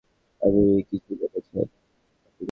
আপনি কিছু এনেছেন।